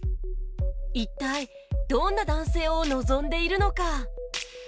一体どんな男性を望んでいるのか？